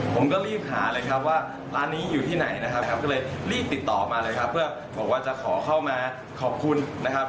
ผมก็รีบหาเลยครับว่าร้านนี้อยู่ที่ไหนนะครับครับก็เลยรีบติดต่อมาเลยครับเพื่อบอกว่าจะขอเข้ามาขอบคุณนะครับ